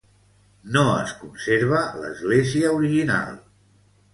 No es conserva l'església original.